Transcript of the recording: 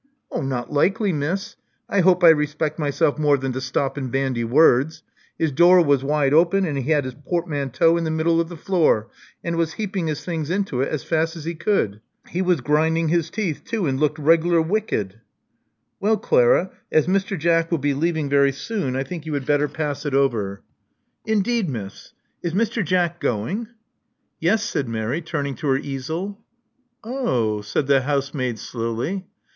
'*Not likely, Miss. I hope I respect myself more than to Stop and bandy words. His door was wide open; and he had his portmanteau in the middle of the floor, and was heaping his things into it as fast as he could. He was grinding his teeth, too, and looked reg'lar wicked." Well, Clara, as Mr. Jack will be leaving very soon, I think you had better pass it over.'* 53 54 Love Among the Artists Indeed, Miss? Is Mr. Jack going?" Yes/* said Mary, turning to her easel. 0h!" said the housemaid slowly.